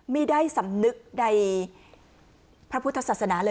ไม่ได้สำนึกในพระพุทธศาสนาขณะครึ่ง